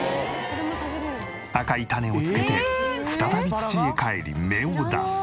赤いタネをつけて再び土へ返り芽を出す。